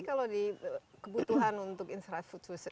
tapi kalau di kebutuhan untuk infrastruktur